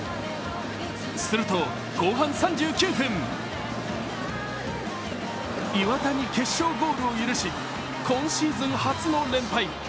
すると後半３９分磐田に決勝ゴールを許し、今シーズン初の連敗。